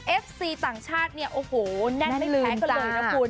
เอฟซีต่างชาติเนี่ยโอ้โหแน่นไม่แพ้กันเลยนะคุณ